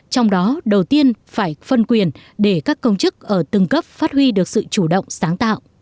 trong đó đầu tiên phải phân quyền để các công chức ở từng cấp phát huy được sự chủ động sáng tạo